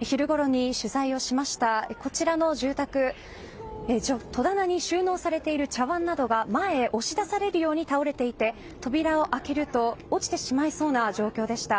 昼ごろに取材をしましたこちらの住宅戸棚に収納されている茶わんなどが前へ押し出されるように倒れていて扉を開けると落ちてしまいそうな状況でした。